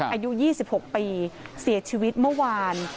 อายุ๒๖ปีเสียชีวิตเมื่อวาน